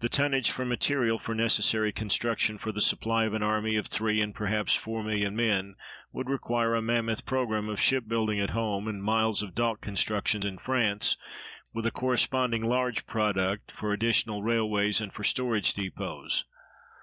The tonnage for material for necessary construction for the supply of an army of three and perhaps four million men would require a mammoth programme of shipbuilding at home, and miles of dock construction in France, with a corresponding large project for additional railways and for storage depots.